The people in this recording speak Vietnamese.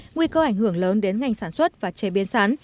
nguy cơ ảnh hưởng lớn đến ngành sản xuất và chế biến sắn